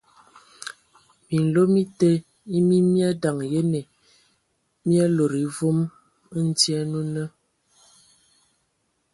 Minlo mi te e mi mi adaŋ yene, mi lodo e vom ndyɛn o nə.